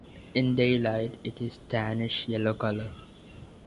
In daylight, it is a tannish yellow color.